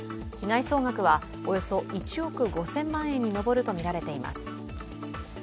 被害総額はおよそ１億５０００万円に上ると見られています。